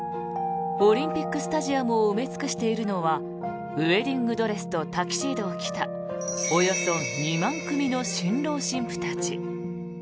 オリンピックスタジアムを埋め尽くしているのはウェディングドレスとタキシードを着たおよそ２万組の新郎新婦たち。